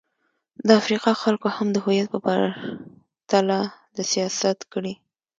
د افریقا خلکو هم د هویت پر تله د سیاست کړې.